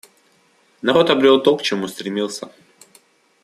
Народ обрел то, к чему стремился.